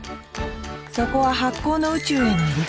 そこは発酵の宇宙への入り口。